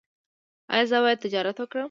ایا زه باید تجارت وکړم؟